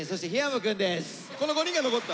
この５人が残った。